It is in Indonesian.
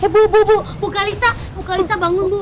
bu bu bu bu kalisa bu kalisa bangun bu